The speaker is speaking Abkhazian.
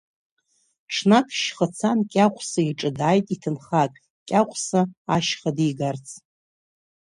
Ҽнак, шьхацан, Кьаӷәса иҿы дааит иҭынхак, Кьаӷәса ашьха дигарц.